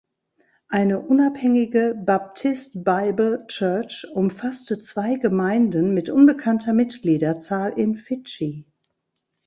Eine unabhängige "Baptist Bible Church" umfasste zwei Gemeinden mit unbekannter Mitgliederzahl in Fidschi.